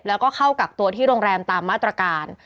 แล้วก็เข้ากักตัวที่โรงแรมตามมาตรการ